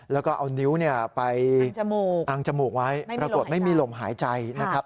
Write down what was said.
แล้วก็เอานิ้วไปอังจมูกไว้ปรากฏไม่มีลมหายใจนะครับ